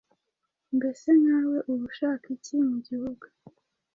Mbese nkawe uba ushaka iki mu gihugu,